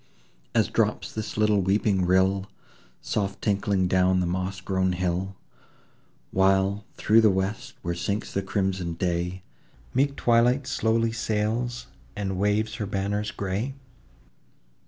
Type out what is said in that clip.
As drops this little weeping rill, Soft tinkling down the moss grown hill; While, through the west, where sinks the crimson day, Meek Twilight slowly sails, and waves her banners grey?